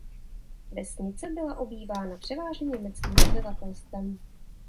Vesnice byla obývána převážně německým obyvatelstvem.